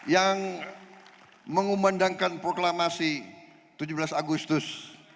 yang mengumandangkan proklamasi tujuh belas agustus seribu sembilan ratus empat puluh lima